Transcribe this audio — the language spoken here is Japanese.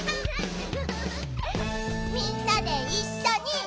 みんなでいっしょに。